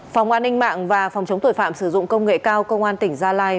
phòng an ninh mạng và phòng chống tội phạm sử dụng công nghệ cao công an tỉnh gia lai